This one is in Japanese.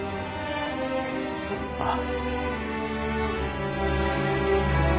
ああ。